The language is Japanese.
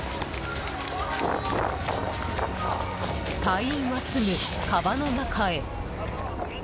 隊員は、すぐ川の中へ。